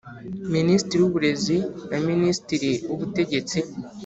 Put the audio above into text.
Minisitiri w Uburezi na Minisitiri w Ubutegetsi